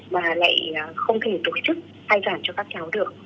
mà lại không thể tổ chức thai giảng cho các cháu được